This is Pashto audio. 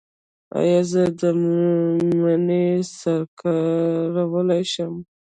ایا زه د مڼې سرکه کارولی شم؟